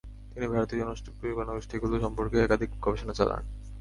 তিনি ভারতীয় জনগোষ্ঠীগুলি সম্পর্কে একাধিক গবেষণা চালান।